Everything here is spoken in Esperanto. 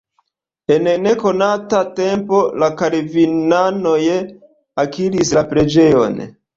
En nekonata tempo la kalvinanoj akiris la preĝejon.